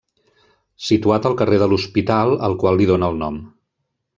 Situat al carrer de l'Hospital, al qual li dóna el nom.